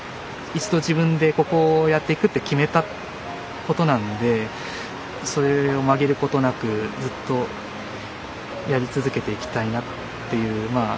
一度自分でここをやっていくって決めたことなのでそれを曲げることなくずっとやり続けていきたいなっていうま